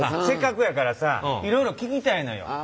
せっかくやからさいろいろ聞きたいのよ。